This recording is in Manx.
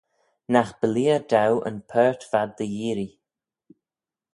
Nagh b'leayr daue yn purt v'ad dy yearree.